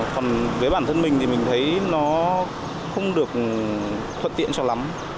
còn với bản thân mình thì mình thấy nó không được thuận tiện cho lắm